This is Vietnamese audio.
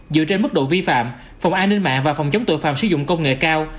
dựa trên mức độ vi phạm phòng an ninh mạng và phòng chống tội phạm sử dụng công nghệ cao